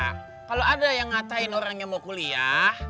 kalau ada yang ngatain orang yang mau kuliah